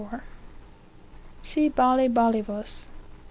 See Bailli, Ballivus.